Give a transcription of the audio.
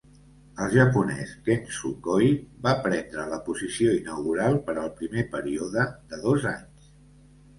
El japonès Kenzo Koi va prendre la posició inaugural per al primer període de dos anys.